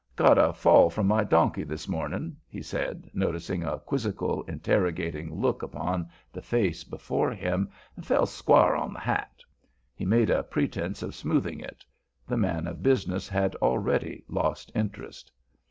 Got a fall from my donkey this morning," he said, noticing a quizzical, interrogating look upon the face before him, "and fell squar' on the hat." He made a pretense of smoothing it. The man of business had already lost interest.